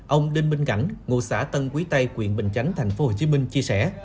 ông đinh minh cảnh ngụ xã tân quý tây quyện bình chánh tp hcm chia sẻ